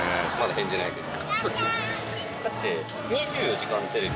だって。